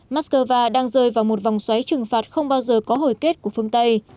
moscow đang rơi vào một vòng xoáy trừng phạt không bao giờ có hồi kết của phương tây